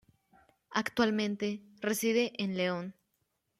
Actualmente, reside en León.